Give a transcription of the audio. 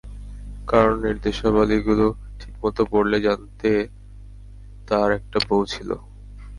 কারণ নির্দেশাবলীগুলো ঠিকমতো পড়লে, জানতে তার একটা বউ ছিল।